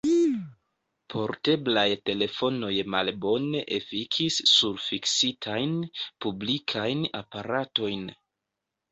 Porteblaj telefonoj malbone efikis sur fiksitajn, publikajn aparatojn.